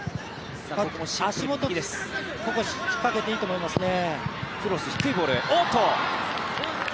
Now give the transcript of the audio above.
ここ仕掛けていいと思いますけどね。